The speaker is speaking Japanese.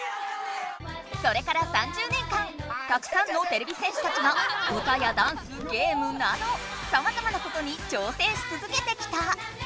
それから３０年間たくさんのてれび戦士たちが歌やダンスゲームなどさまざまなことに挑戦しつづけてきた！